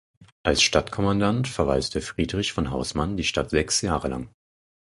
Als Stadtkommandant verwaltete Friedrich von Hausmann die Stadt sechs Jahre lang.